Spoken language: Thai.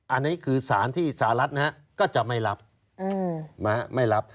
อันนี้คือสารที่สารัฐก็จะไม่รับ